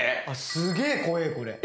すげえ怖えこれ。